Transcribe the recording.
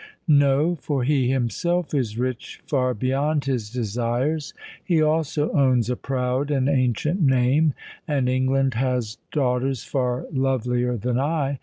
No: for he himself is rich far beyond his desires—he also owns a proud and ancient name—and England has daughters far lovelier than I.